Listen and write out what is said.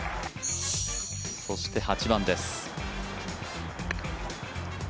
そして８番です。